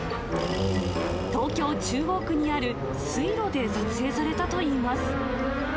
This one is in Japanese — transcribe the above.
東京・中央区にある水路で撮影されたといいます。